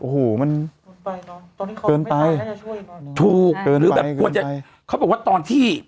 โอ้โหมันเกินไปถูกหรือแบบควรจะเขาบอกว่าตอนที่